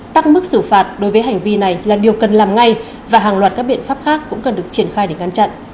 tăng mức xử phạt đối với hành vi này là điều cần làm ngay và hàng loạt các biện pháp khác cũng cần được triển khai để ngăn chặn